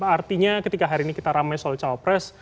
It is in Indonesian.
artinya ketika hari ini kita ramai soal cawapres